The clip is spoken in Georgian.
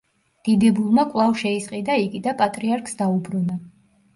დიდებულმა კვლავ შეისყიდა იგი და პატრიარქს დაუბრუნა.